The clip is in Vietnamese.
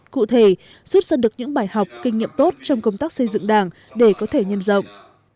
cụ thể xuất sân được những bài học kinh nghiệm tốt trong công tác xây dựng đảng để có thể nhân dọng